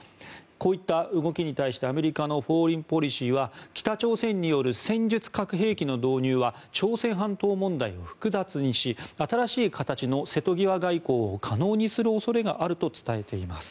こういった動きに対してアメリカの「フォーリン・ポリシー」は北朝鮮による戦術核兵器の導入は朝鮮戦争問題を複雑にし新しい形の瀬戸際外交を可能にする恐れがあると伝えています。